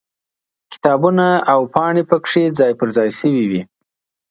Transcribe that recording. کتابونه او پاڼې پکې ځای پر ځای شوي وي.